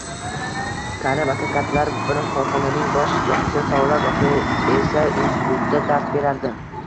Karim aka katta bir korxonaning bosh hisobchisi, Saodat opa esainstitutda dars berardi